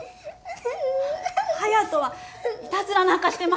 隼斗はいたずらなんかしてません。